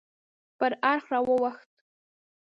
پر اړخ راواوښت.